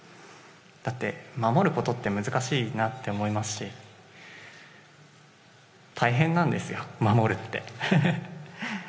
だって、守ることって難しいなって思いますし大変なんですよ、守るって。